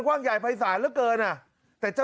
กว้างใหญ่ภายศาสตร์เหลือเกินอ่ะ